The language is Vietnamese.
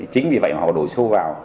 chính vì vậy họ đổi số vào